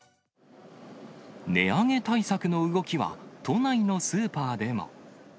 値上げ対策の動きは都内のスーパーでも。